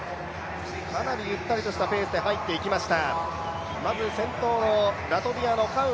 かなりゆったりとしたペースで入っていきました。